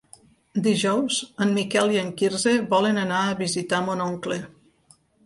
Dijous en Miquel i en Quirze volen anar a visitar mon oncle.